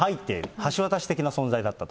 橋渡し的な存在だったと。